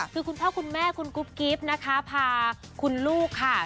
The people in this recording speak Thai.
คือคุณพ่อคุณแม่คุณกุ๊บกิ๊บนะคะพาคุณลูกค่ะ